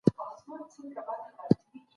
د استاد خبرو ته په ځیر غوږ سه.